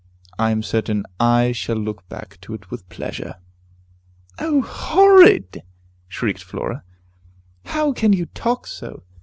I am certain I shall look back to it with pleasure." "O horrid!" shrieked Flora; "how can you talk so!